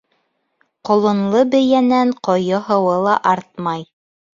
Ҡолонло бейәнән ҡойо һыуы ла артмай.